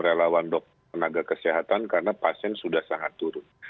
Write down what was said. kita lawan dokter penaga kesehatan karena pasien sudah sangat turun